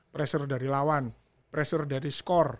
pressure dari lawan pressure dari skor